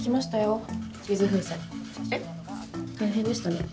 大変でしたね。